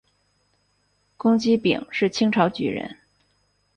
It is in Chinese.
龚积柄是清朝举人。